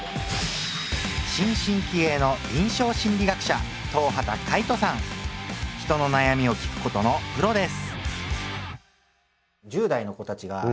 新進気鋭の臨床心理学者人の悩みを聞くことのプロです！